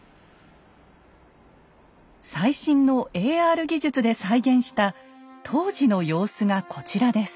最新のＡＲ技術で再現した当時の様子がこちらです。